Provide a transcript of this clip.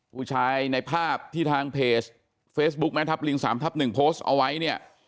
ผู้ชายในภาพที่ทางเพจเฟซบุ๊คแม่ทับลิง๓ทับ๑โพสต์เอาไว้เนี่ย